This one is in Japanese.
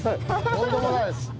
とんでもないです。